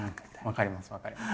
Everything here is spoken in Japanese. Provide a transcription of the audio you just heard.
分かります分かります。